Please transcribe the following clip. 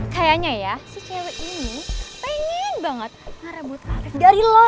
kayaknya ya si cewek ini pengen banget ngarebut afif dari lo